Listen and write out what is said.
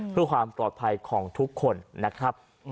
เพื่อความปลอดภัยของทุกคนนะครับ